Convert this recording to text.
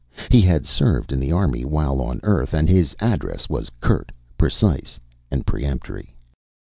He had served in the army while on earth, and his address was curt, precise, and peremptory.